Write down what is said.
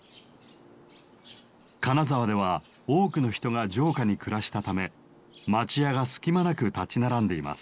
金沢では多くの人が城下に暮らしたため町家が隙間なく立ち並んでいます。